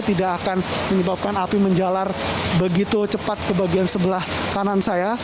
tidak akan menyebabkan api menjalar begitu cepat ke bagian sebelah kanan saya